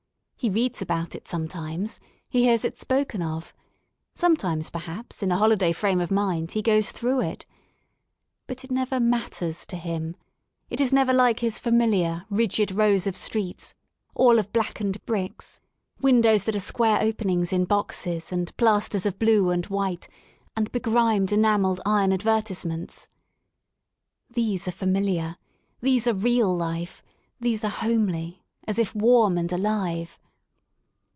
He reads about it sometimes, he hears it spoken of; sometimes perhaps in a holiday frame of mind he goes through it. But it never "matters" to him, it is never like his famihar, rigid rows of streets all of blackened bricks, windows that are square open ings in boxes and plasters of blue and white and begrimed enamelled iron advertisements. These are familiar, these are real life, these are homely, as if warm and alive.